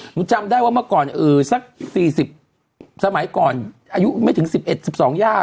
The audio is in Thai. หนูจำได้ว่าเมื่อก่อนสัก๔๐สมัยก่อนอายุไม่ถึง๑๑๑๒ย่า